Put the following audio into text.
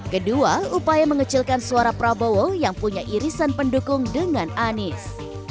kedua upaya mengecilkan suara prabowo yang punya irisan pendukung dengan anies